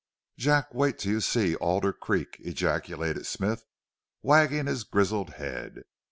"Jack, wait till you see Alder Creek!" ejaculated Smith, wagging his grizzled head.